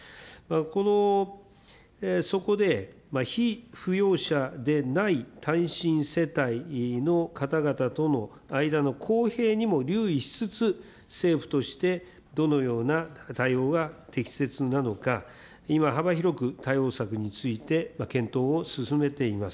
この、そこで、被扶養者でない単身世帯の方々との間の公平にも留意しつつ、政府としてどのような対応が適切なのか、今、幅広く対応策について検討を進めています。